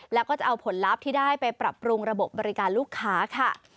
แล้วก็จะเอาผลลัพธ์ที่ได้ไปปรับปรุงระบบบบริการลูกค้าค่ะ